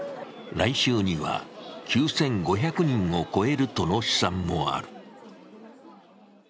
来週には９５００人を超えるとの試算もある。